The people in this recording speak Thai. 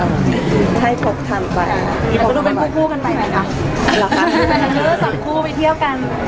อ้อมก็ถ่ายทุกสวยก็เพราะอ้อมถ่ายให้หลายคนนะ